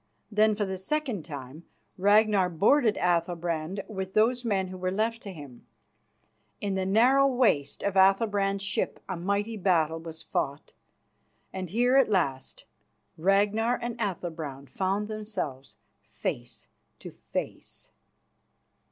Then for the second time Ragnar boarded Athalbrand with those men who were left to him. In the narrow waist of Athalbrand's ship a mighty battle was fought, and here at last Ragnar and Athalbrand found themselves face to face.